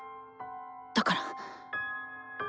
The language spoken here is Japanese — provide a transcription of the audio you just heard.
だから。